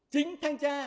chính thanh tra